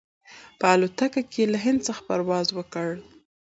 په الوتکه کې یې له هند څخه پرواز وکړ.